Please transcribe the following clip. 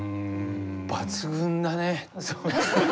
抜群だね。